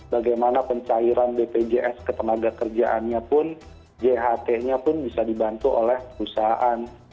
bagaimana pencairan bpjs ketenaga kerjaannya pun jht nya pun bisa dibantu oleh perusahaan